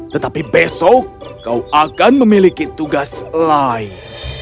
tetapi besok kau akan memiliki tugas lain